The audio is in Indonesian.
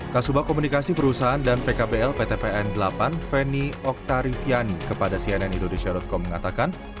kasubah komunikasi perusahaan dan pkbl ptpn delapan feni oktariviani kepada cnn indonesia com mengatakan